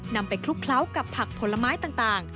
นำไปคลุกเคล้ากับผักผลไม้ต่าง